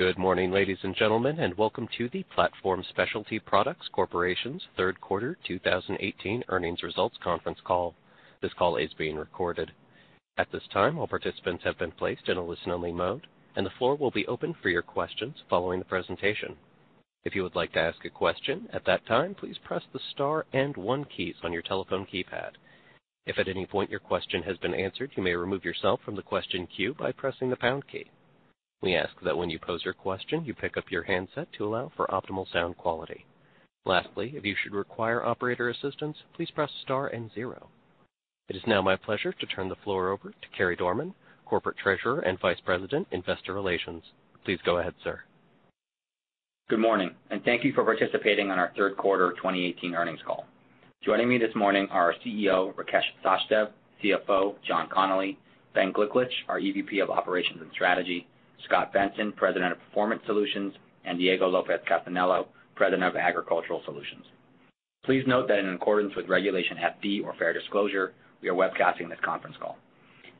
Good morning, ladies and gentlemen, welcome to the Platform Specialty Products Corporation's third quarter 2018 earnings results conference call. This call is being recorded. At this time, all participants have been placed in a listen-only mode, the floor will be open for your questions following the presentation. If you would like to ask a question at that time, please press the star and one keys on your telephone keypad. If at any point your question has been answered, you may remove yourself from the question queue by pressing the pound key. We ask that when you pose your question, you pick up your handset to allow for optimal sound quality. Lastly, if you should require operator assistance, please press star and zero. It is now my pleasure to turn the floor over to Carey Dorman, Corporate Treasurer and Vice President, Investor Relations. Please go ahead, sir. Good morning, thank you for participating on our third quarter 2018 earnings call. Joining me this morning are our CEO, Rakesh Sachdev, CFO, John Connolly, Ben Gliklich, our EVP of Operations and Strategy, Scot Benson, President of Performance Solutions, and Diego Lopez Casanello, President of Agricultural Solutions. Please note that in accordance with Regulation FD, or fair disclosure, we are webcasting this conference call.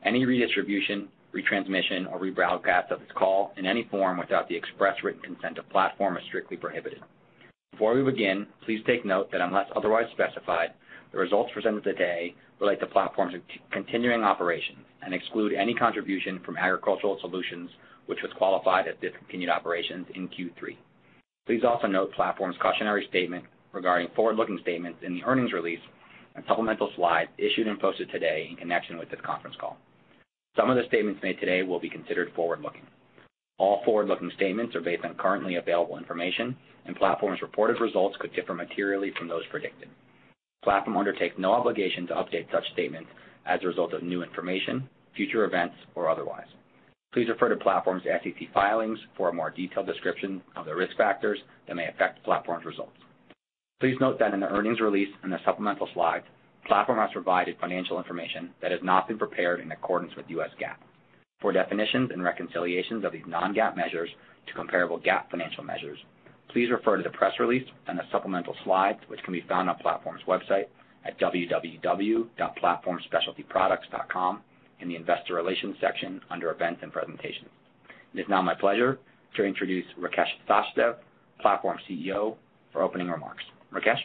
Any redistribution, retransmission, or rebroadcast of this call in any form without the express written consent of Platform is strictly prohibited. Before we begin, please take note that unless otherwise specified, the results presented today relate to Platform's continuing operations and exclude any contribution from Agricultural Solutions which was qualified as discontinued operations in Q3. Please also note Platform's cautionary statement regarding forward-looking statements in the earnings release and supplemental slides issued and posted today in connection with this conference call. Some of the statements made today will be considered forward-looking. All forward-looking statements are based on currently available information, Platform's reported results could differ materially from those predicted. Platform undertakes no obligation to update such statements as a result of new information, future events, or otherwise. Please refer to Platform's SEC filings for a more detailed description of the risk factors that may affect Platform's results. Please note that in the earnings release and the supplemental slides, Platform has provided financial information that has not been prepared in accordance with US GAAP. For definitions and reconciliations of these non-GAAP measures to comparable GAAP financial measures, please refer to the press release and the supplemental slides, which can be found on Platform's website at www.platformspecialtyproducts.com in the investor relations section under events and presentations. It is now my pleasure to introduce Rakesh Sachdev, Platform's CEO, for opening remarks. Rakesh?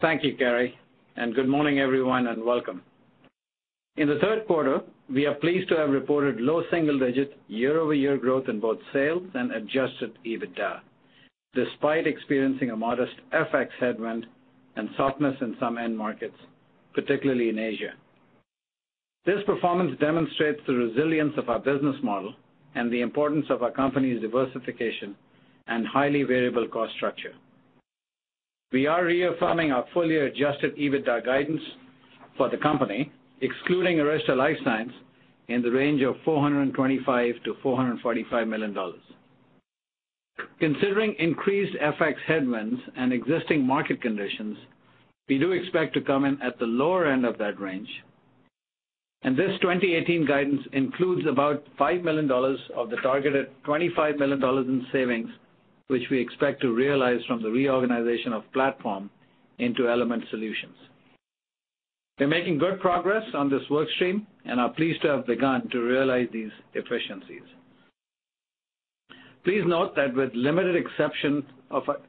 Thank you, Carey, good morning, everyone, and welcome. In the third quarter, we are pleased to have reported low single-digit year-over-year growth in both sales and adjusted EBITDA, despite experiencing a modest FX headwind and softness in some end markets, particularly in Asia. This performance demonstrates the resilience of our business model and the importance of our company's diversification and highly variable cost structure. We are reaffirming our full-year adjusted EBITDA guidance for the company, excluding Arysta LifeScience, in the range of $425 million-$445 million. Considering increased FX headwinds and existing market conditions, we do expect to come in at the lower end of that range. This 2018 guidance includes about $5 million of the targeted $25 million in savings, which we expect to realize from the reorganization of Platform into Element Solutions. We're making good progress on this workstream and are pleased to have begun to realize these efficiencies. Please note that with limited exception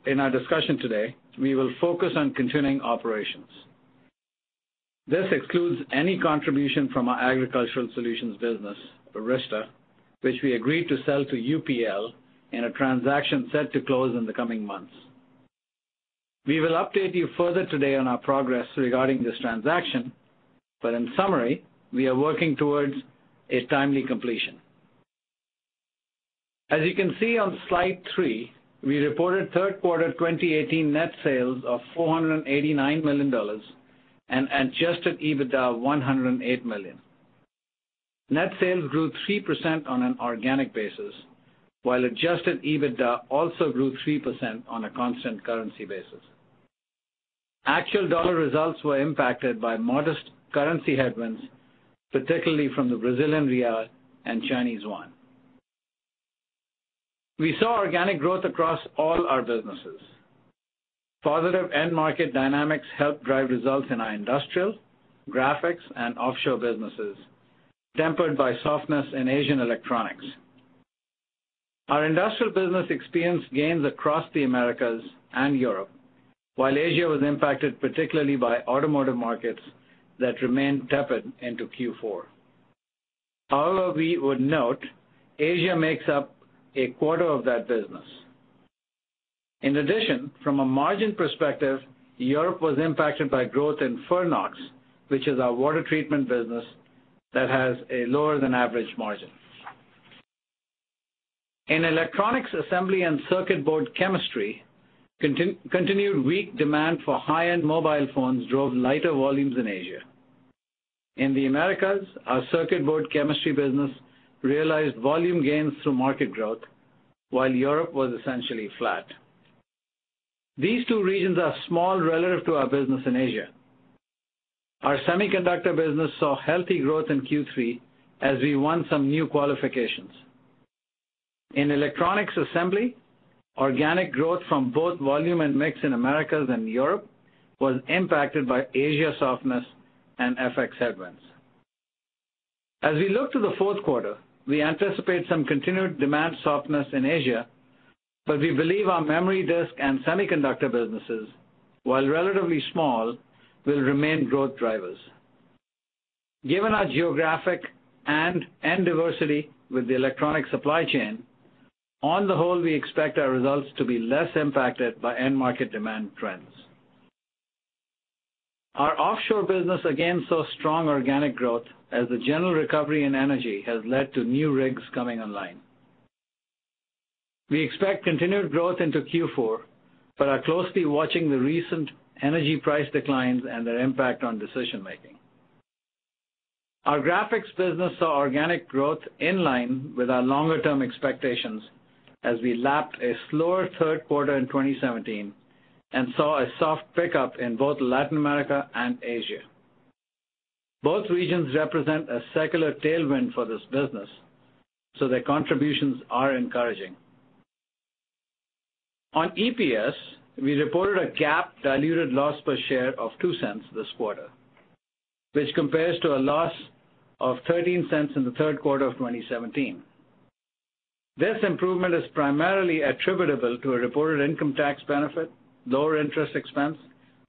in our discussion today, we will focus on continuing operations. This excludes any contribution from our Agricultural Solutions business, Arysta, which we agreed to sell to UPL in a transaction set to close in the coming months. We will update you further today on our progress regarding this transaction, but in summary, we are working towards a timely completion. As you can see on slide three, we reported third quarter 2018 net sales of $489 million and adjusted EBITDA of $108 million. Net sales grew 3% on an organic basis, while adjusted EBITDA also grew 3% on a constant currency basis. Actual dollar results were impacted by modest currency headwinds, particularly from the Brazilian real and Chinese yuan. We saw organic growth across all our businesses. Positive end market dynamics helped drive results in our industrial, graphics, and offshore businesses, tempered by softness in Asian electronics. Our industrial business experienced gains across the Americas and Europe, while Asia was impacted particularly by automotive markets that remain tepid into Q4. Although we would note, Asia makes up a quarter of that business. In addition, from a margin perspective, Europe was impacted by growth in Fernox, which is our water treatment business that has a lower than average margin. In electronics assembly and circuit board chemistry, continued weak demand for high-end mobile phones drove lighter volumes in Asia. In the Americas, our circuit board chemistry business realized volume gains through market growth, while Europe was essentially flat. These two regions are small relative to our business in Asia. Our semiconductor business saw healthy growth in Q3 as we won some new qualifications. In electronics assembly, organic growth from both volume and mix in Americas and Europe was impacted by Asia softness and FX headwinds. As we look to the fourth quarter, we anticipate some continued demand softness in Asia, but we believe our memory disk and semiconductor businesses, while relatively small, will remain growth drivers. Given our geographic and end diversity with the electronic supply chain, on the whole, we expect our results to be less impacted by end market demand trends. Our offshore business again saw strong organic growth as the general recovery in energy has led to new rigs coming online. We expect continued growth into Q4, but are closely watching the recent energy price declines and their impact on decision making. Our graphics business saw organic growth in line with our longer-term expectations as we lapped a slower third quarter in 2017 and saw a soft pickup in both Latin America and Asia. Both regions represent a secular tailwind for this business, so their contributions are encouraging. On EPS, we reported a GAAP diluted loss per share of $0.02 this quarter, which compares to a loss of $0.13 in the third quarter of 2017. This improvement is primarily attributable to a reported income tax benefit, lower interest expense,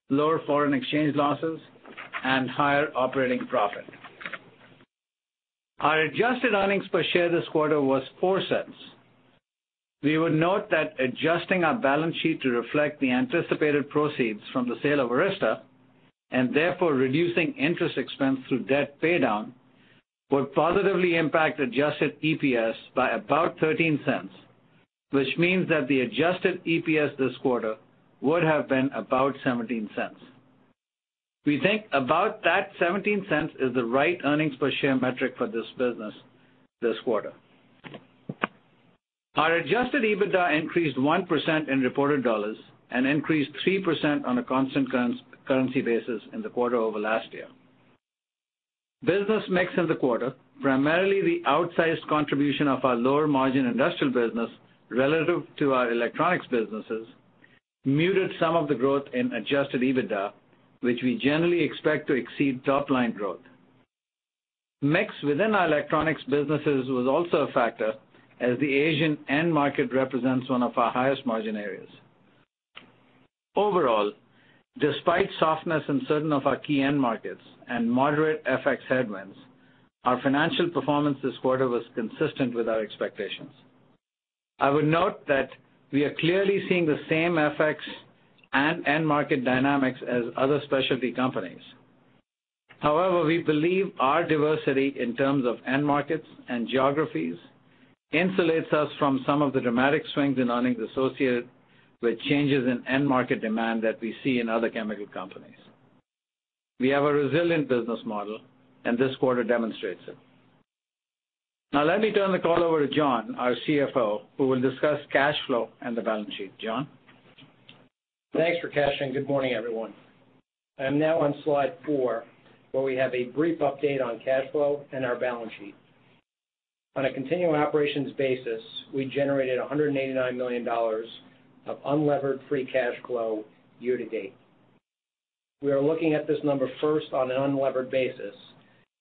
lower foreign exchange losses, and higher operating profit. Our adjusted earnings per share this quarter was $0.04. We would note that adjusting our balance sheet to reflect the anticipated proceeds from the sale of Arysta, and therefore reducing interest expense through debt paydown, would positively impact adjusted EPS by about $0.13, which means that the adjusted EPS this quarter would have been about $0.17. We think about that $0.17 is the right earnings per share metric for this business this quarter. Our adjusted EBITDA increased 1% in reported dollars and increased 3% on a constant currency basis in the quarter over last year. Business mix in the quarter, primarily the outsized contribution of our lower margin industrial business relative to our electronics businesses, muted some of the growth in adjusted EBITDA, which we generally expect to exceed top-line growth. Mix within our electronics businesses was also a factor, as the Asian end market represents one of our highest margin areas. Overall, despite softness in certain of our key end markets and moderate FX headwinds, our financial performance this quarter was consistent with our expectations. I would note that we are clearly seeing the same FX and end market dynamics as other specialty companies. However, we believe our diversity in terms of end markets and geographies insulates us from some of the dramatic swings in earnings associated with changes in end market demand that we see in other chemical companies. We have a resilient business model, and this quarter demonstrates it. Now let me turn the call over to John, our CFO, who will discuss cash flow and the balance sheet. John? Thanks, Rakesh, and good morning, everyone. I am now on slide four, where we have a brief update on cash flow and our balance sheet. On a continuing operations basis, we generated $189 million of unlevered free cash flow year to date. We are looking at this number first on an unlevered basis,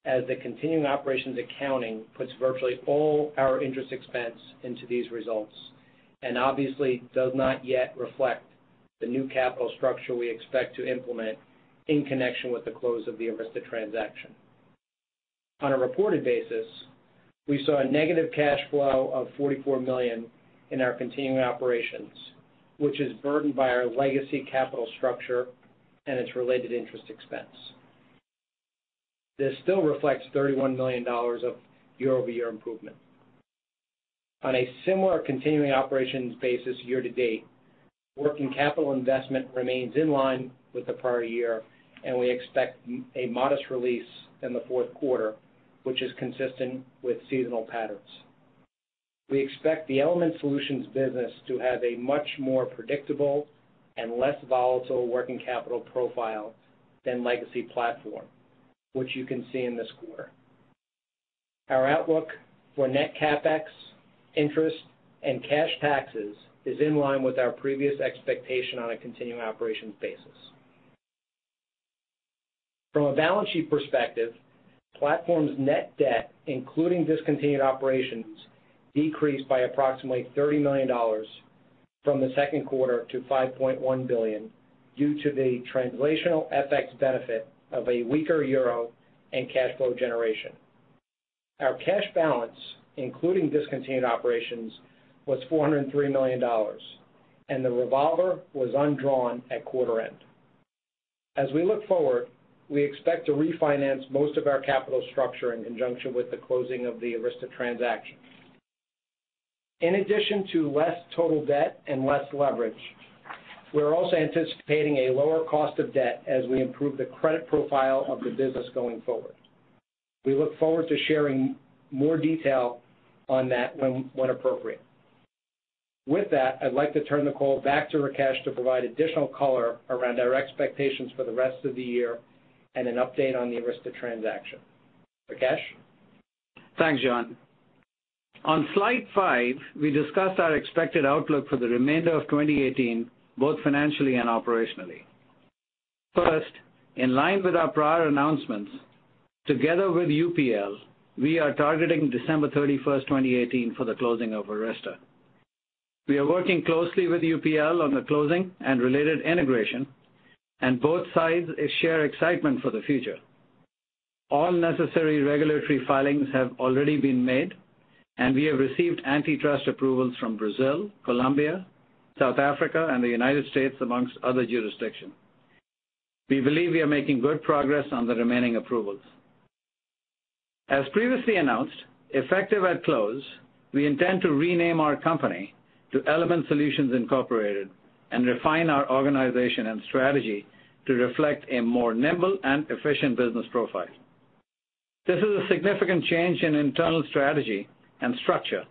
as the continuing operations accounting puts virtually all our interest expense into these results and obviously does not yet reflect the new capital structure we expect to implement in connection with the close of the Arysta transaction. On a reported basis, we saw a negative cash flow of $44 million in our continuing operations, which is burdened by our legacy capital structure and its related interest expense. This still reflects $31 million of year-over-year improvement. On a similar continuing operations basis year to date, working capital investment remains in line with the prior year, and we expect a modest release in the fourth quarter, which is consistent with seasonal patterns. We expect the Element Solutions business to have a much more predictable and less volatile working capital profile than legacy Platform, which you can see in this quarter. Our outlook for net CapEx, interest, and cash taxes is in line with our previous expectation on a continuing operations basis. From a balance sheet perspective, Platform's net debt, including discontinued operations, decreased by approximately $30 million from the second quarter to $5.1 billion due to the translational FX benefit of a weaker EUR and cash flow generation. Our cash balance, including discontinued operations, was $403 million, and the revolver was undrawn at quarter end. As we look forward, we expect to refinance most of our capital structure in conjunction with the closing of the Arysta transaction. In addition to less total debt and less leverage, we're also anticipating a lower cost of debt as we improve the credit profile of the business going forward. We look forward to sharing more detail on that when appropriate. With that, I'd like to turn the call back to Rakesh to provide additional color around our expectations for the rest of the year and an update on the Arysta transaction. Rakesh? Thanks, John. On slide five, we discussed our expected outlook for the remainder of 2018, both financially and operationally. First, in line with our prior announcements, together with UPL, we are targeting December 31st, 2018, for the closing of Arysta. We are working closely with UPL on the closing and related integration, and both sides share excitement for the future. All necessary regulatory filings have already been made, and we have received antitrust approvals from Brazil, Colombia, South Africa, and the United States, amongst other jurisdictions. We believe we are making good progress on the remaining approvals. As previously announced, effective at close, we intend to rename our company to Element Solutions Inc and refine our organization and strategy to reflect a more nimble and efficient business profile. This is a significant change in internal strategy and structure,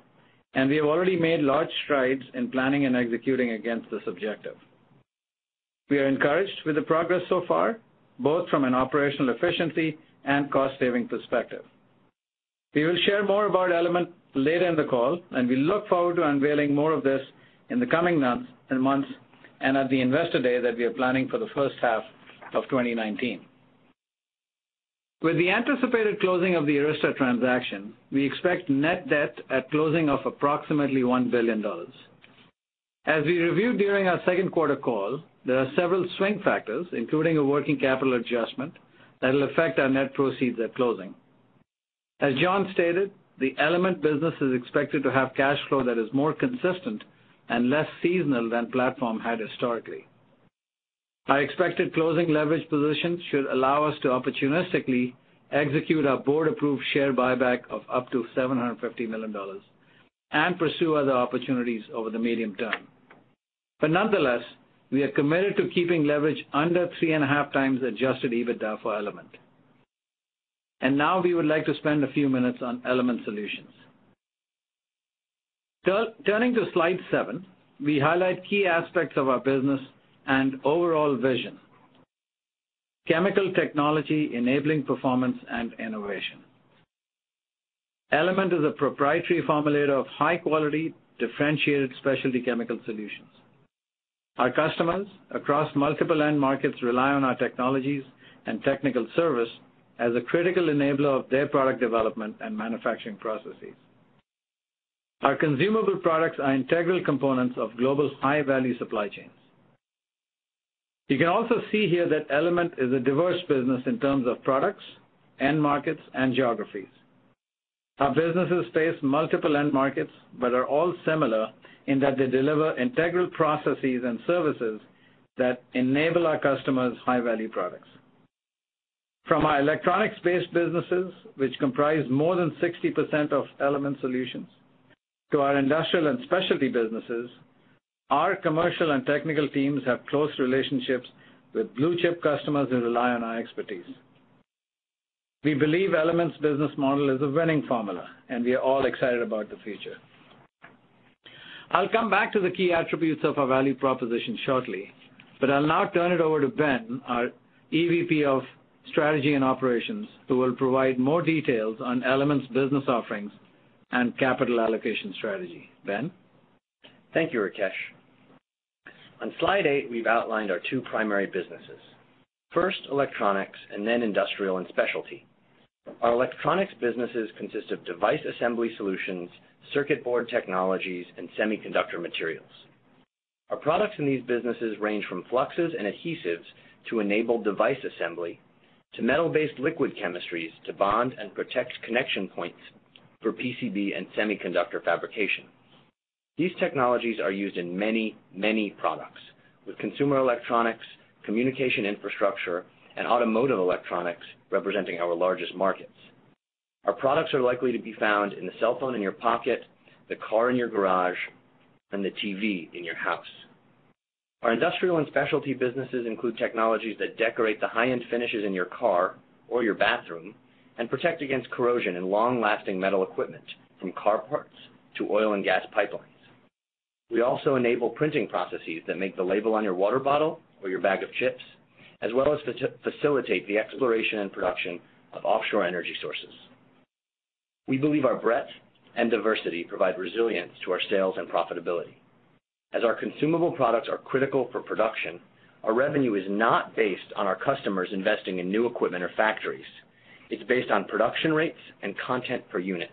and we have already made large strides in planning and executing against this objective. We are encouraged with the progress so far, both from an operational efficiency and cost-saving perspective. We will share more about Element later in the call, and we look forward to unveiling more of this in the coming months and at the investor day that we are planning for the first half of 2019. With the anticipated closing of the Arysta transaction, we expect net debt at closing of approximately $1 billion. As we reviewed during our second quarter call, there are several swing factors, including a working capital adjustment, that'll affect our net proceeds at closing. As John stated, the Element business is expected to have cash flow that is more consistent and less seasonal than Platform had historically. Our expected closing leverage position should allow us to opportunistically execute our board-approved share buyback of up to $750 million and pursue other opportunities over the medium term. Nonetheless, we are committed to keeping leverage under three and a half times adjusted EBITDA for Element. Now we would like to spend a few minutes on Element Solutions. Turning to slide seven, we highlight key aspects of our business and overall vision. Chemical technology enabling performance and innovation. Element is a proprietary formulator of high-quality, differentiated specialty chemical solutions. Our customers across multiple end markets rely on our technologies and technical service as a critical enabler of their product development and manufacturing processes. Our consumable products are integral components of global high-value supply chains. You can also see here that Element is a diverse business in terms of products, end markets, and geographies. Our businesses face multiple end markets but are all similar in that they deliver integral processes and services that enable our customers' high-value products. From our electronics-based businesses, which comprise more than 60% of Element Solutions, to our industrial and specialty businesses, our commercial and technical teams have close relationships with blue-chip customers who rely on our expertise. We believe Element's business model is a winning formula, and we are all excited about the future. I'll come back to the key attributes of our value proposition shortly, but I'll now turn it over to Ben, our EVP of Strategy and Operations, who will provide more details on Element's business offerings and capital allocation strategy. Ben? Thank you, Rakesh. On slide eight, we've outlined our two primary businesses. First, electronics, and then industrial and specialty. Our electronics businesses consist of device assembly solutions, circuit board technologies, and semiconductor materials. Our products in these businesses range from fluxes and adhesives to enable device assembly to metal-based liquid chemistries to bond and protect connection points for PCB and semiconductor fabrication. These technologies are used in many, many products, with consumer electronics, communication infrastructure, and automotive electronics representing our largest markets. Our products are likely to be found in the cell phone in your pocket, the car in your garage, and the TV in your house. Our industrial and specialty businesses include technologies that decorate the high-end finishes in your car or your bathroom and protect against corrosion in long-lasting metal equipment, from car parts to oil and gas pipelines. We also enable printing processes that make the label on your water bottle or your bag of chips, as well as facilitate the exploration and production of offshore energy sources. We believe our breadth and diversity provide resilience to our sales and profitability. As our consumable products are critical for production, our revenue is not based on our customers investing in new equipment or factories. It's based on production rates and content per unit.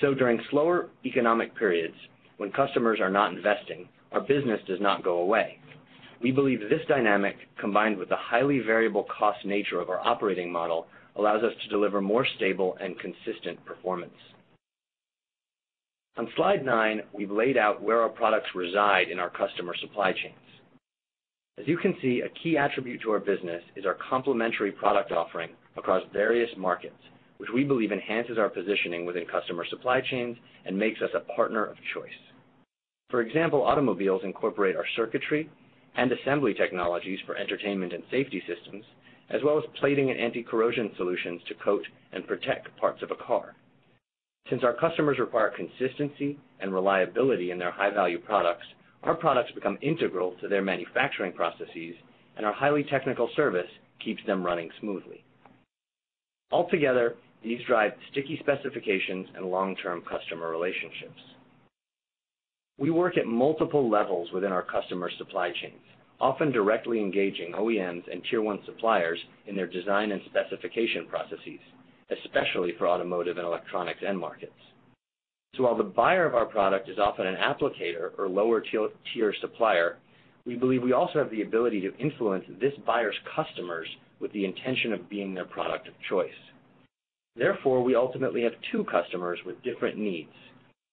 During slower economic periods when customers are not investing, our business does not go away. We believe this dynamic, combined with the highly variable cost nature of our operating model, allows us to deliver more stable and consistent performance. On slide nine, we've laid out where our products reside in our customer supply chains. As you can see, a key attribute to our business is our complementary product offering across various markets, which we believe enhances our positioning within customer supply chains and makes us a partner of choice. For example, automobiles incorporate our circuitry and assembly technologies for entertainment and safety systems, as well as plating and anti-corrosion solutions to coat and protect parts of a car. Since our customers require consistency and reliability in their high-value products, our products become integral to their manufacturing processes, and our highly technical service keeps them running smoothly. Altogether, these drive sticky specifications and long-term customer relationships. We work at multiple levels within our customer supply chains, often directly engaging OEMs and tier 1 suppliers in their design and specification processes, especially for automotive and electronics end markets. While the buyer of our product is often an applicator or lower tier supplier, we believe we also have the ability to influence this buyer's customers with the intention of being their product of choice. Therefore, we ultimately have two customers with different needs.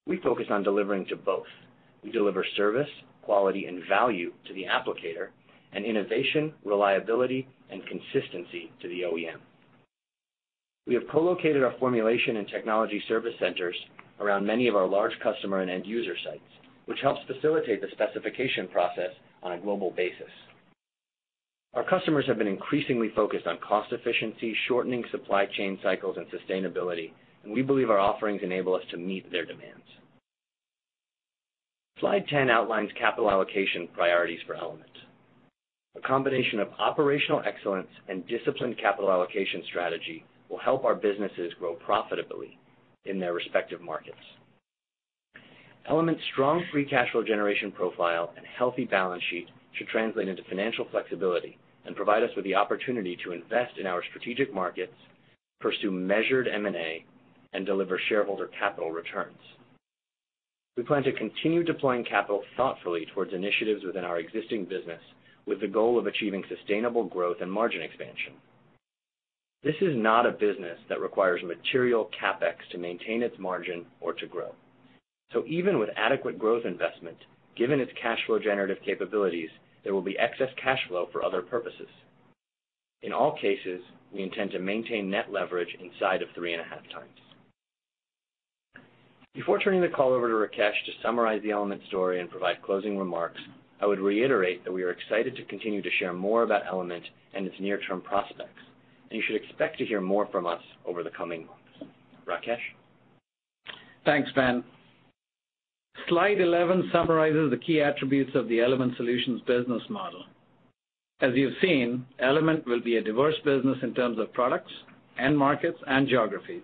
We focus on delivering to both. We deliver service, quality, and value to the applicator, and innovation, reliability, and consistency to the OEM. We have co-located our formulation and technology service centers around many of our large customer and end-user sites, which helps facilitate the specification process on a global basis. Our customers have been increasingly focused on cost efficiency, shortening supply chain cycles, and sustainability. We believe our offerings enable us to meet their demands. Slide 10 outlines capital allocation priorities for Element. A combination of operational excellence and disciplined capital allocation strategy will help our businesses grow profitably in their respective markets. Element's strong free cash flow generation profile and healthy balance sheet should translate into financial flexibility and provide us with the opportunity to invest in our strategic markets, pursue measured M&A, and deliver shareholder capital returns. We plan to continue deploying capital thoughtfully towards initiatives within our existing business, with the goal of achieving sustainable growth and margin expansion. This is not a business that requires material CapEx to maintain its margin or to grow. Even with adequate growth investments, given its cash flow generative capabilities, there will be excess cash flow for other purposes. In all cases, we intend to maintain net leverage inside of three and a half times. Before turning the call over to Rakesh to summarize the Element story and provide closing remarks, I would reiterate that we are excited to continue to share more about Element and its near-term prospects. You should expect to hear more from us over the coming months. Rakesh? Thanks, Ben. Slide 11 summarizes the key attributes of the Element Solutions business model. As you've seen, Element will be a diverse business in terms of products, end markets, and geographies.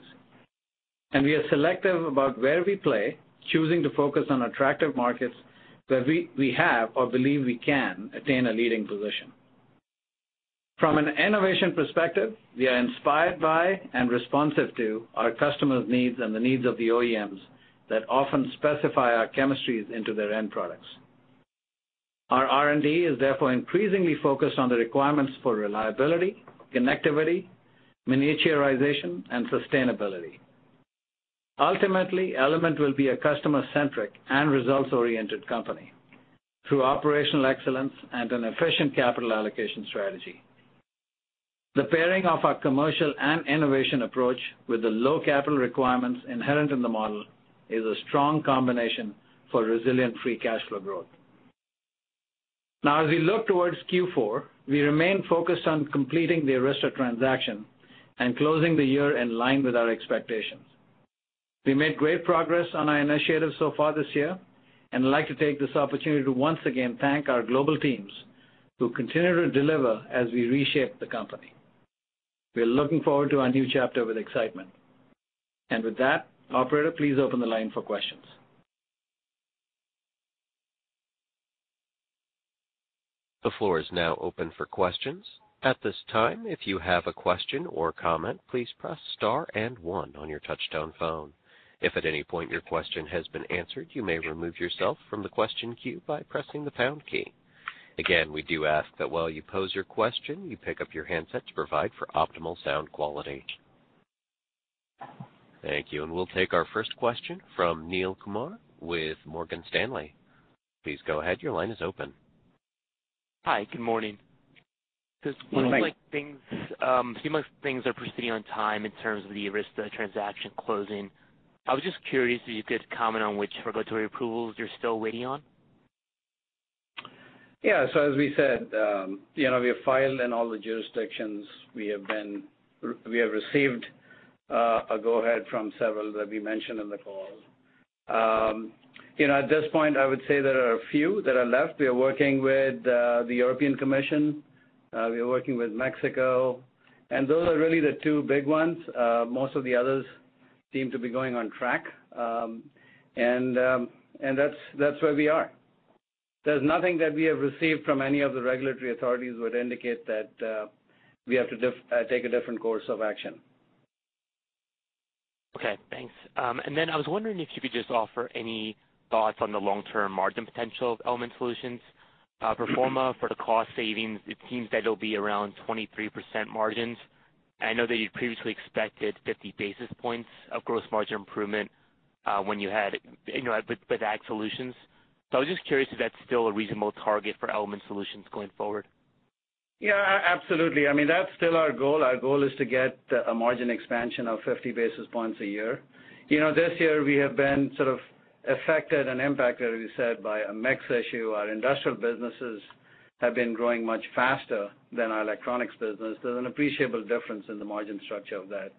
We are selective about where we play, choosing to focus on attractive markets where we have or believe we can attain a leading position. From an innovation perspective, we are inspired by and responsive to our customers' needs and the needs of the OEMs that often specify our chemistries into their end products. Our R&D is therefore increasingly focused on the requirements for reliability, connectivity, miniaturization, and sustainability. Ultimately, Element will be a customer-centric and results-oriented company through operational excellence and an efficient capital allocation strategy. The pairing of our commercial and innovation approach with the low capital requirements inherent in the model is a strong combination for resilient free cash flow growth. As we look towards Q4, we remain focused on completing the Arysta transaction and closing the year in line with our expectations. We made great progress on our initiatives so far this year, and I'd like to take this opportunity to once again thank our global teams who continue to deliver as we reshape the company. We are looking forward to our new chapter with excitement. With that, operator, please open the line for questions. The floor is now open for questions. At this time, if you have a question or comment, please press star and one on your touchtone phone. If at any point your question has been answered, you may remove yourself from the question queue by pressing the pound key. Again, we do ask that while you pose your question, you pick up your handset to provide for optimal sound quality. Thank you. We'll take our first question from Neel Kumar with Morgan Stanley. Please go ahead, your line is open. Hi, good morning. Good morning. It seems like things are proceeding on time in terms of the Arysta transaction closing. I was just curious if you could comment on which regulatory approvals you're still waiting on. Yeah. As we said, we have filed in all the jurisdictions. We have received a go-ahead from several that we mentioned in the call. At this point, I would say there are a few that are left. We are working with the European Commission, we are working with Mexico. Those are really the two big ones. Most of the others seem to be going on track. That's where we are. There's nothing that we have received from any of the regulatory authorities would indicate that we have to take a different course of action. Okay, thanks. Then I was wondering if you could just offer any thoughts on the long-term margin potential of Element Solutions pro forma for the cost savings. It seems that it'll be around 23% margins. I know that you previously expected 50 basis points of gross margin improvement when you had with Ag Solutions. I was just curious if that's still a reasonable target for Element Solutions going forward. Yeah, absolutely. That's still our goal. Our goal is to get a margin expansion of 50 basis points a year. This year, we have been sort of affected and impacted, as you said, by a mix issue. Our industrial businesses have been growing much faster than our electronics business. There's an appreciable difference in the margin structure of that.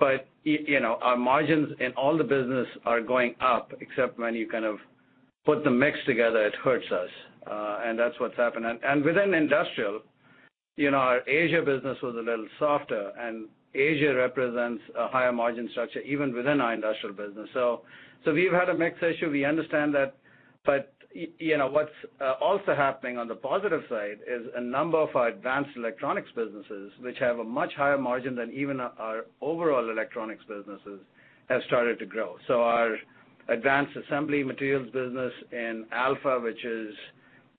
Our margins in all the business are going up, except when you put the mix together, it hurts us. That's what's happened. Within industrial, our Asia business was a little softer, and Asia represents a higher margin structure even within our industrial business. We've had a mix issue. We understand that, what's also happening on the positive side is a number of our advanced electronics businesses, which have a much higher margin than even our overall electronics businesses, have started to grow. Our advanced assembly materials business in Alpha, which is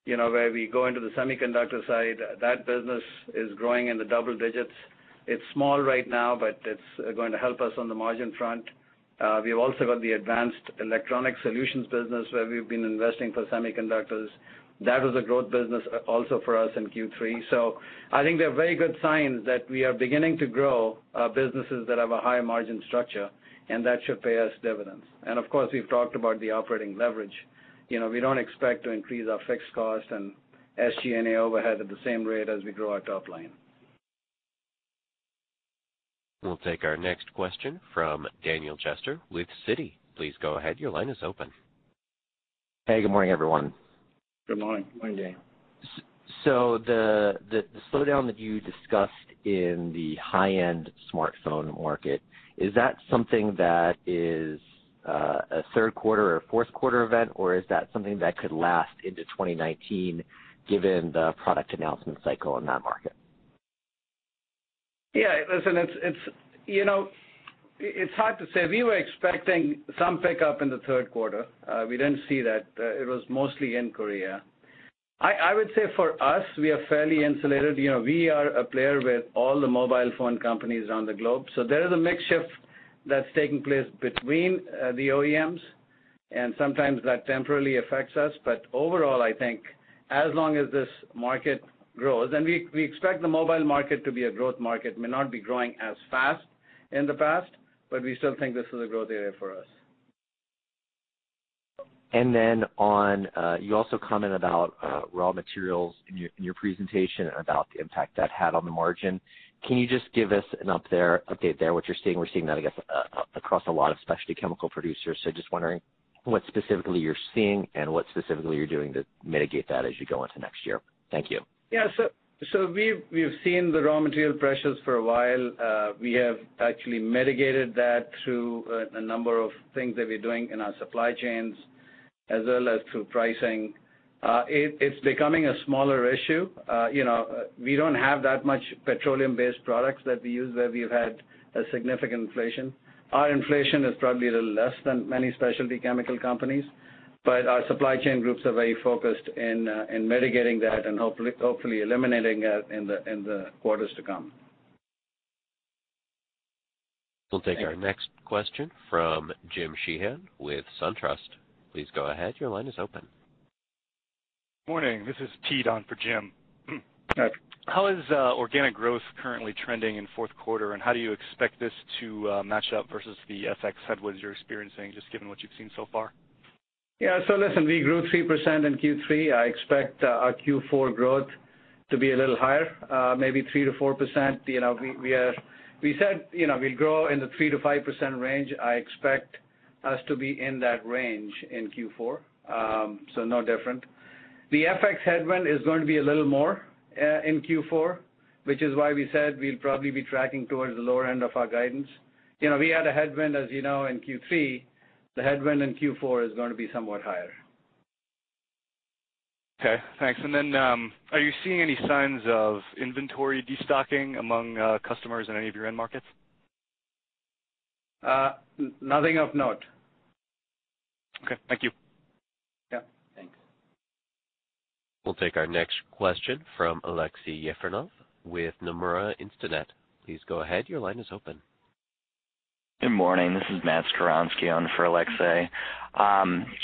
where we go into the semiconductor side, that business is growing in the double digits. It's small right now, but it's going to help us on the margin front. We've also got the advanced electronic solutions business where we've been investing for semiconductors. That was a growth business also for us in Q3. I think there are very good signs that we are beginning to grow our businesses that have a high margin structure, and that should pay us dividends. Of course, we've talked about the operating leverage. We don't expect to increase our fixed cost and SG&A overhead at the same rate as we grow our top line. We'll take our next question from Daniel Jester with Citi. Please go ahead. Your line is open. Hey, good morning, everyone. Good morning, Dan. The slowdown that you discussed in the high-end smartphone market, is that something that is a third quarter or fourth quarter event, or is that something that could last into 2019 given the product announcement cycle in that market? Listen, it's hard to say. We were expecting some pickup in the third quarter. We didn't see that. It was mostly in Korea. I would say for us, we are fairly insulated. We are a player with all the mobile phone companies around the globe. There is a mix shift that's taking place between the OEMs, and sometimes that temporarily affects us. Overall, I think as long as this market grows, and we expect the mobile market to be a growth market, it may not be growing as fast in the past, we still think this is a growth area for us. You also comment about raw materials in your presentation about the impact that had on the margin. Can you just give us an update there, what you're seeing? We're seeing that, I guess, across a lot of specialty chemical producers. Just wondering what specifically you're seeing and what specifically you're doing to mitigate that as you go into next year. Thank you. We've seen the raw material pressures for a while. We have actually mitigated that through a number of things that we're doing in our supply chains as well as through pricing. It's becoming a smaller issue. We don't have that much petroleum-based products that we use where we've had a significant inflation. Our inflation is probably a little less than many specialty chemical companies, our supply chain groups are very focused in mitigating that and hopefully eliminating it in the quarters to come. We'll take our next question from James Sheehan with SunTrust. Please go ahead. Your line is open. Morning, this is Ted on for Jim. How is organic growth currently trending in fourth quarter, how do you expect this to match up versus the FX headwinds you're experiencing, just given what you've seen so far? Yeah. Listen, we grew 3% in Q3. I expect our Q4 growth to be a little higher, maybe 3%-4%. We said we'll grow in the 3%-5% range. I expect us to be in that range in Q4. No different. The FX headwind is going to be a little more in Q4, which is why we said we'll probably be tracking towards the lower end of our guidance. We had a headwind, as you know, in Q3. The headwind in Q4 is going to be somewhat higher. Okay, thanks. Then, are you seeing any signs of inventory destocking among customers in any of your end markets? Nothing of note. Okay. Thank you. Yeah. Thanks. We'll take our next question from Aleksey Yefremov with Nomura Instinet. Please go ahead. Your line is open. Good morning. This is Matt Skowronski on for Aleksey.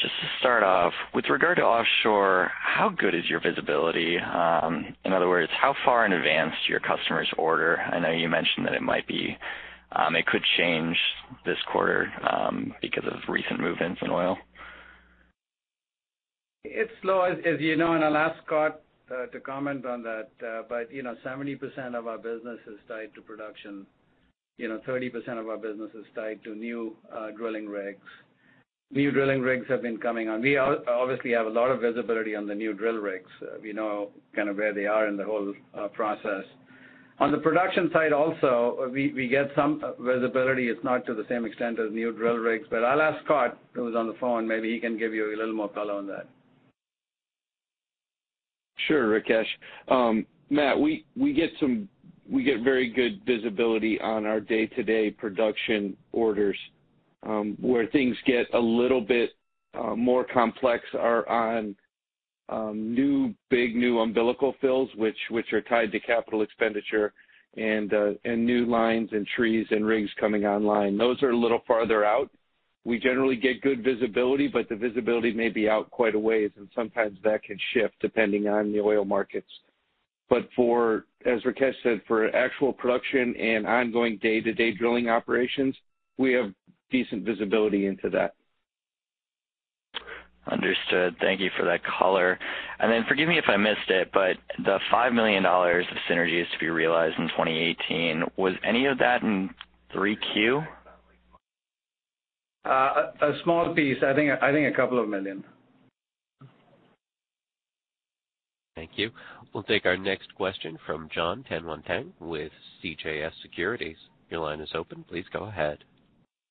Just to start off, with regard to offshore, how good is your visibility? In other words, how far in advance do your customers order? I know you mentioned that it could change this quarter because of recent movements in oil. It's slow, as you know, and I'll ask Scot to comment on that. 70% of our business is tied to production. 30% of our business is tied to new drilling rigs. New drilling rigs have been coming on. We obviously have a lot of visibility on the new drill rigs. We know kind of where they are in the whole process. On the production side also, we get some visibility. It's not to the same extent as new drill rigs, I'll ask Scot, who's on the phone. Maybe he can give you a little more color on that. Sure, Rakesh. Matt, we get very good visibility on our day-to-day production orders. Where things get a little bit more complex are on big, new umbilical fills, which are tied to capital expenditure and new lines and trees and rigs coming online. Those are a little farther out. We generally get good visibility, the visibility may be out quite a ways, and sometimes that can shift depending on the oil markets. As Rakesh said, for actual production and ongoing day-to-day drilling operations, we have decent visibility into that. Understood. Thank you for that color. Forgive me if I missed it, but the $5 million of synergies to be realized in 2018, was any of that in 3Q? A small piece. I think a couple of million dollars. Thank you. We'll take our next question from Jonathan Tanwanteng with CJS Securities. Your line is open. Please go ahead.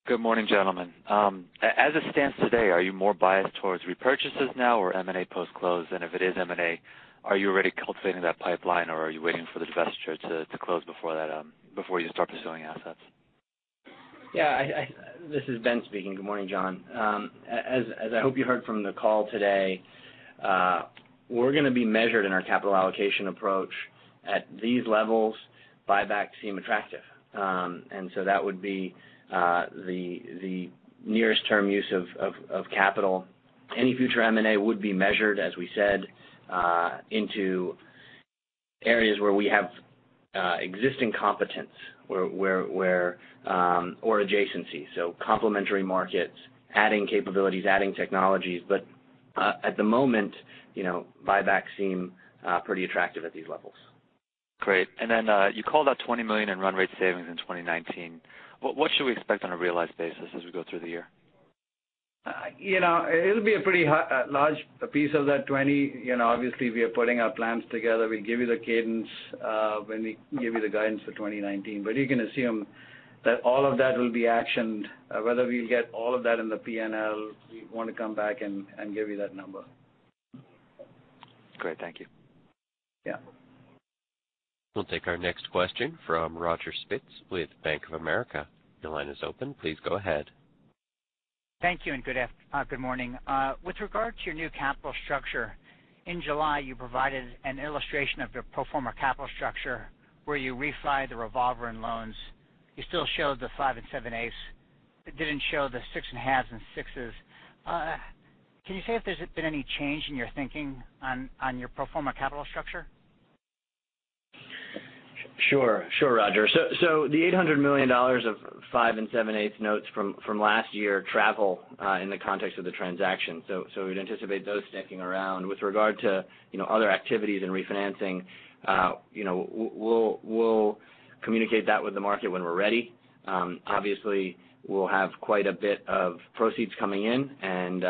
Good morning, gentlemen. As it stands today, are you more biased towards repurchases now or M&A post-close? If it is M&A, are you already cultivating that pipeline, or are you waiting for the divestiture to close before you start pursuing assets? Yeah. This is Ben speaking. Good morning, Jon. As I hope you heard from the call today, we're going to be measured in our capital allocation approach at these levels, buybacks seem attractive. That would be the nearest term use of capital. Any future M&A would be measured, as we said, into areas where we have existing competence or adjacencies. Complementary markets, adding capabilities, adding technologies. At the moment, buybacks seem pretty attractive at these levels. Great. Then you called out $20 million in run rate savings in 2019. What should we expect on a realized basis as we go through the year? It'll be a pretty large piece of that 20. Obviously, we are putting our plans together. We'll give you the cadence when we give you the guidance for 2019. You can assume that all of that will be actioned. Whether we'll get all of that in the P&L, we want to come back and give you that number. Great. Thank you. Yeah. We'll take our next question from Roger Spitz with Bank of America. Your line is open. Please go ahead. Thank you, and good morning. With regard to your new capital structure, in July, you provided an illustration of your pro forma capital structure where you refied the revolver and loans. You still showed the 5 7/8, but didn't show the 6 1/2s and 6s. Can you say if there's been any change in your thinking on your pro forma capital structure? Sure, Roger. The $800 million of 5 7/8 notes from last year travel in the context of the transaction. We'd anticipate those sticking around. With regard to other activities and refinancing, we'll communicate that with the market when we're ready. Obviously, we'll have quite a bit of proceeds coming in, and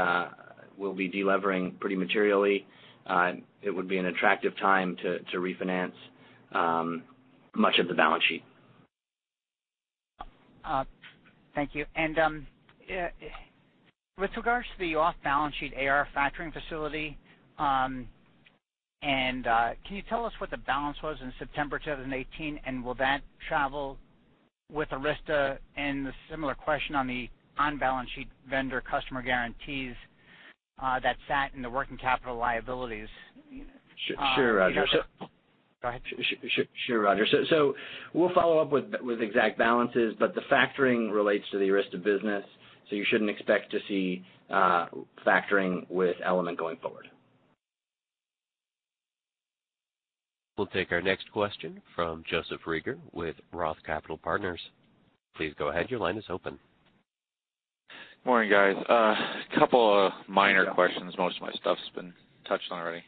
we'll be de-levering pretty materially. It would be an attractive time to refinance much of the balance sheet. Thank you. With regards to the off-balance sheet AR factoring facility, can you tell us what the balance was in September 2018, and will that travel with Arysta? The similar question on the on-balance sheet vendor customer guarantees that sat in the working capital liabilities. Sure, Roger. Go ahead. Sure, Roger. We'll follow up with exact balances, the factoring relates to the Arysta business, you shouldn't expect to see factoring with Element going forward. We'll take our next question from Joseph Reagor with Roth Capital Partners. Please go ahead, your line is open. Morning, guys. A couple of minor questions. Most of my stuff's been touched on already.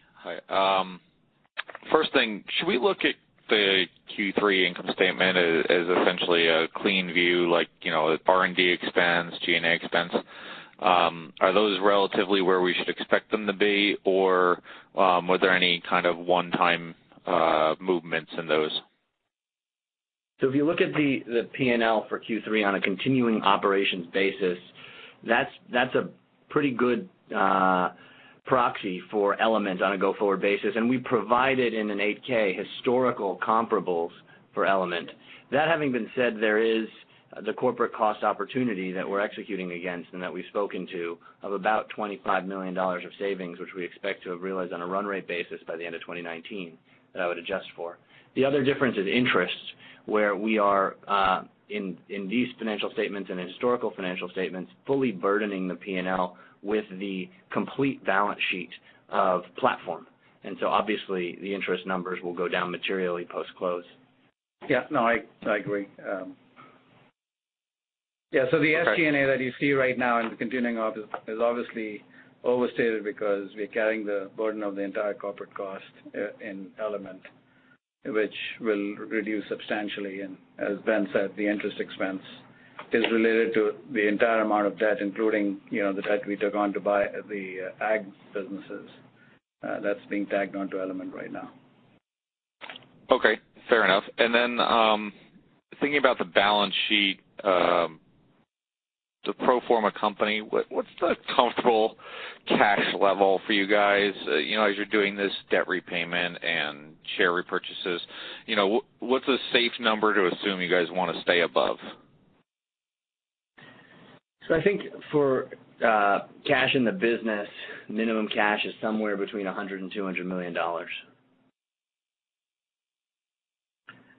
First thing, should we look at the Q3 income statement as essentially a clean view, like, R&D expense, G&A expense? Are those relatively where we should expect them to be, or were there any kind of one-time movements in those? If you look at the P&L for Q3 on a continuing operations basis, that's a pretty good proxy for Element on a go-forward basis. We provided in an 8-K historical comparables for Element. That having been said, there is the corporate cost opportunity that we're executing against and that we've spoken to of about $25 million of savings, which we expect to have realized on a run rate basis by the end of 2019, that I would adjust for. The other difference is interest, where we are, in these financial statements and in historical financial statements, fully burdening the P&L with the complete balance sheet of Platform. Obviously the interest numbers will go down materially post-close. Yeah, no, I agree. The SG&A that you see right now in the continuing op is obviously overstated because we're carrying the burden of the entire corporate cost in Element, which will reduce substantially. As Ben said, the interest expense is related to the entire amount of debt, including the debt we took on to buy the ag businesses. That's being tagged onto Element right now. Okay, fair enough. Thinking about the balance sheet, the pro forma company, what's the comfortable cash level for you guys? As you're doing this debt repayment and share repurchases, what's a safe number to assume you guys want to stay above? I think for cash in the business, minimum cash is somewhere between $100 million and $200 million.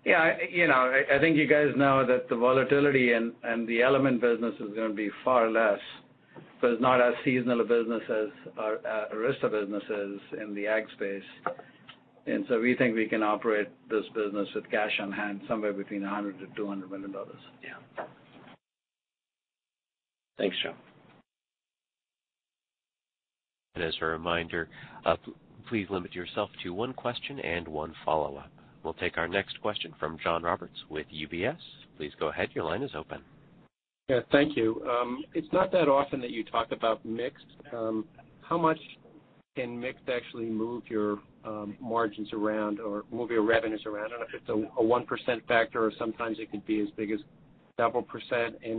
Yeah. I think you guys know that the volatility in the Element business is going to be far less, because it's not as seasonal a business as our Arysta business is in the ag space. We think we can operate this business with cash on hand, somewhere between $100 million-$200 million. Yeah. Thanks, John. As a reminder, please limit yourself to one question and one follow-up. We'll take our next question from John Roberts with UBS. Please go ahead. Your line is open. Yeah, thank you. It's not that often that you talk about mix. How much can mix actually move your margins around or move your revenues around? I don't know if it's a 1% factor, or sometimes it could be as big as several %.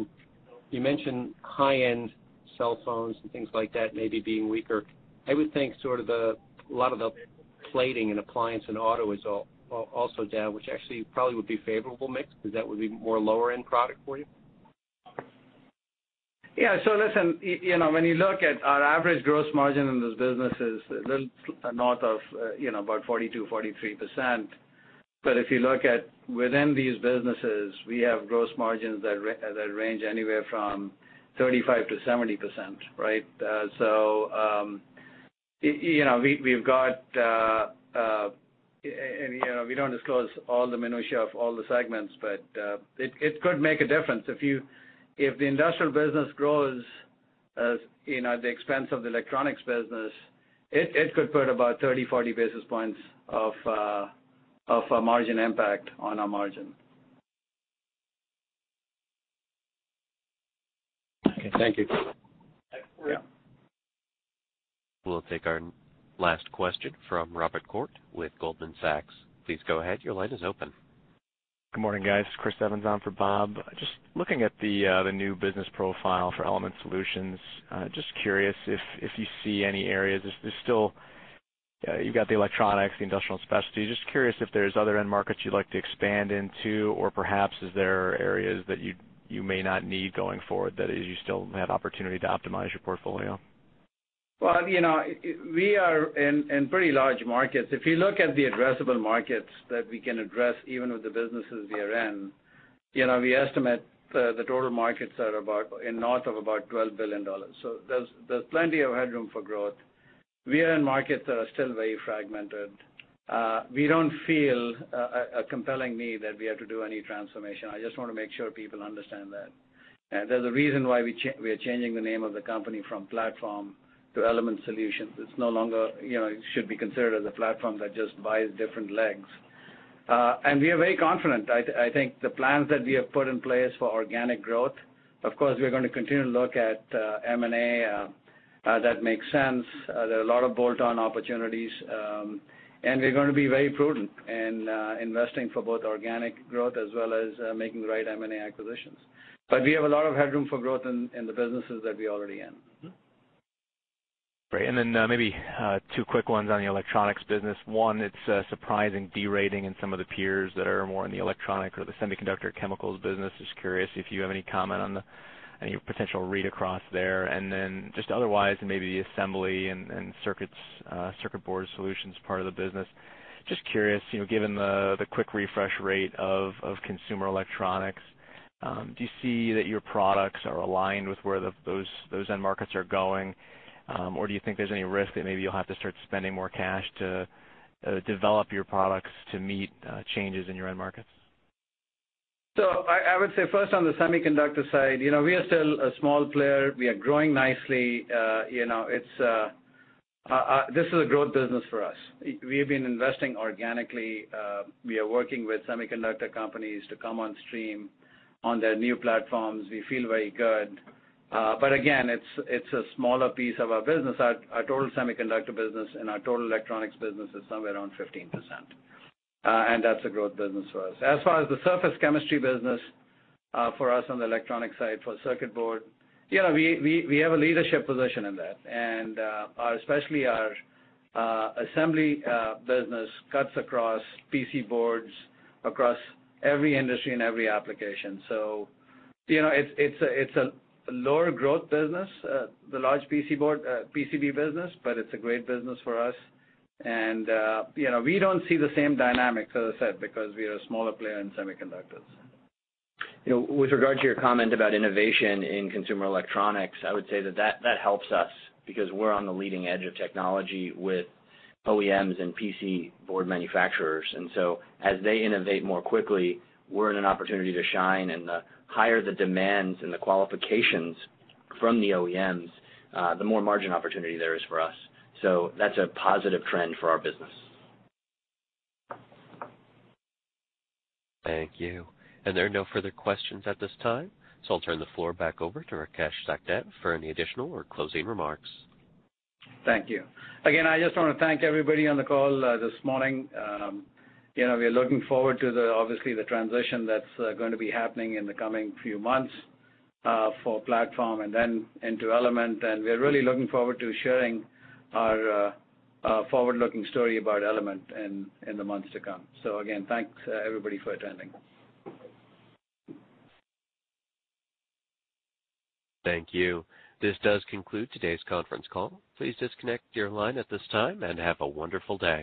You mentioned high-end cell phones and things like that maybe being weaker. I would think sort of a lot of the plating in appliance and auto is also down, which actually probably would be favorable mix, because that would be more lower-end product for you. Yeah. Listen, when you look at our average gross margin in this business is a little north of about 42%, 43%. If you look at within these businesses, we have gross margins that range anywhere from 35% to 70%, right? We don't disclose all the minutiae of all the segments, but it could make a difference. If the industrial business grows at the expense of the electronics business, it could put about 30, 40 basis points of a margin impact on our margin. Okay, thank you. Yeah. We'll take our last question from Robert Koort with Goldman Sachs. Please go ahead. Your line is open. Good morning, guys. Chris Evans on for Bob. Just looking at the new business profile for Element Solutions. Just curious if you see any areas. You've got the electronics, the industrial specialties. Just curious if there's other end markets you'd like to expand into, or perhaps is there areas that you may not need going forward, that is, you still have opportunity to optimize your portfolio? Well, we are in pretty large markets. If you look at the addressable markets that we can address, even with the businesses we are in, we estimate the total markets are north of about $12 billion. There's plenty of headroom for growth. We are in markets that are still very fragmented. We don't feel a compelling need that we have to do any transformation. I just want to make sure people understand that. There's a reason why we are changing the name of the company from Platform to Element Solutions. It should no longer be considered as a platform that just buys different legs. We are very confident. I think the plans that we have put in place for organic growth, of course, we're going to continue to look at M&A, that makes sense. There are a lot of bolt-on opportunities. We're going to be very prudent in investing for both organic growth as well as making the right M&A acquisitions. We have a lot of headroom for growth in the businesses that we already in. Great. Maybe two quick ones on the electronics business. One, it's a surprising de-rating in some of the peers that are more in the electronic or the semiconductor chemicals business. Just curious if you have any comment on any potential read across there. Just otherwise, maybe the assembly and circuit board solutions part of the business. Just curious, given the quick refresh rate of consumer electronics, do you see that your products are aligned with where those end markets are going? Or do you think there's any risk that maybe you'll have to start spending more cash to develop your products to meet changes in your end markets? I would say first on the semiconductor side, we are still a small player. We are growing nicely. This is a growth business for us. We've been investing organically. We are working with semiconductor companies to come on stream on their new platforms. We feel very good. Again, it's a smaller piece of our business. Our total semiconductor business and our total electronics business is somewhere around 15%. That's a growth business for us. As far as the surface chemistry business, for us on the electronic side for circuit board, we have a leadership position in that, and especially our assembly business cuts across PC boards, across every industry and every application. It's a lower growth business, the large PCB business, but it's a great business for us. We don't see the same dynamic, as I said, because we are a smaller player in semiconductors. With regard to your comment about innovation in consumer electronics, I would say that helps us, because we're on the leading edge of technology with OEMs and PCB manufacturers. As they innovate more quickly, we're in an opportunity to shine, and the higher the demands and the qualifications from the OEMs, the more margin opportunity there is for us. That's a positive trend for our business. Thank you. There are no further questions at this time, I'll turn the floor back over to Rakesh Sachdev for any additional or closing remarks. Thank you. Again, I just want to thank everybody on the call this morning. We are looking forward to, obviously, the transition that's going to be happening in the coming few months, for Platform and then into Element. We're really looking forward to sharing our forward-looking story about Element in the months to come. Again, thanks everybody for attending. Thank you. This does conclude today's conference call. Please disconnect your line at this time and have a wonderful day.